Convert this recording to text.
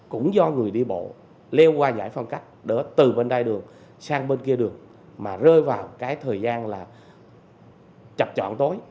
cũng do người đi bộ leo qua giải phân cách để từ bên đai đường sang bên kia đường mà rơi vào cái thời gian là chập chọn tối